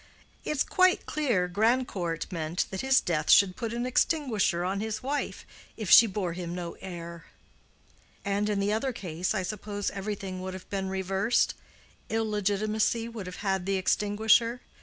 It's quite clear Grandcourt meant that his death should put an extinguisher on his wife, if she bore him no heir." "And, in the other case, I suppose everything would have been reversed—illegitimacy would have had the extinguisher?"